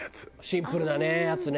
シンプルなやつね。